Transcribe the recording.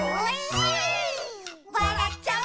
「わらっちゃう」